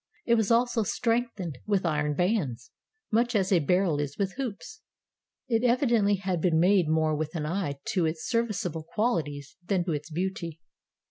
It was also strengthened with iron bands, much as a barrel is with hoops. It evidently had been made more with an eye to its serviceable qualities than to beauty.